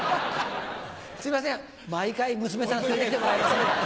すいません毎回娘さん連れてきてもらえませんか？